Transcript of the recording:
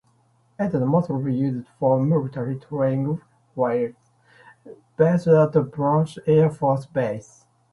It is mostly used for military training flights based at Vance Air Force Base.